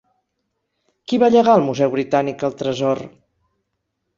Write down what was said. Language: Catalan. Qui va llegar al Museu Britànic el tresor?